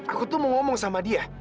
aku tuh mau ngomong sama dia